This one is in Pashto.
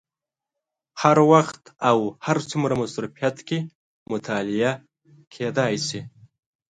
هر وخت او هر څومره مصروفیت کې مطالعه کېدای شي.